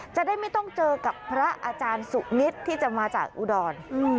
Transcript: จะได้ไม่ต้องเจอกับพระอาจารย์สุนิตที่จะมาจากอุดร